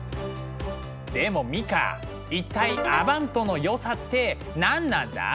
でもミカ一体アヴァントの良さって何なんだ？